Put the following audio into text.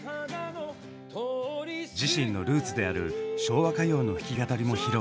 自身のルーツである昭和歌謡の弾き語りも披露！